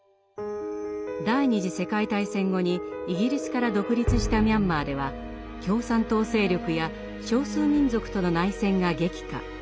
第二次世界大戦後にイギリスから独立したミャンマーでは共産党勢力や少数民族との内戦が激化。